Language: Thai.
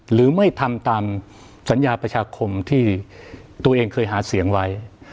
หรือไม่ทำตามสัญญาประชาคมที่ตัวเองเคยหาเสียงไว้